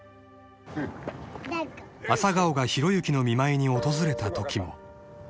［朝顔が浩之の見舞いに訪れたときも］